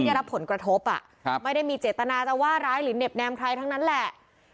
ได้รับผลกระทบอ่ะครับไม่ได้มีเจตนาจะว่าร้ายหรือเห็บแนมใครทั้งนั้นแหละ